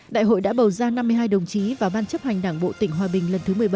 đại hội đã bầu ra năm mươi hai đồng chí vào ban chấp hành đảng bộ tỉnh hòa bình lần thứ một mươi bảy